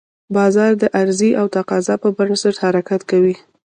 بازار د عرضې او تقاضا پر بنسټ حرکت کوي.